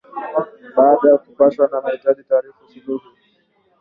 Baada ya kuapishwa na kuhutubia taifa Rais Suluhu